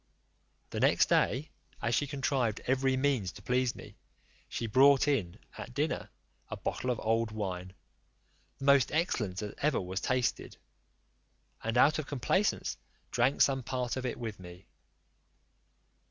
The next day, as she contrived every means to please me, she brought in, at dinner, a bottle of old wine, the most excellent that ever was tasted, and out of complaisance drank some part of it with me.